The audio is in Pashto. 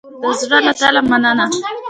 د زړه له تله مننه